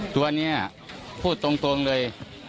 ตัวนี้พูดตรงเลย